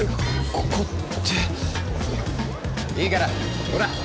ここっていいからほら！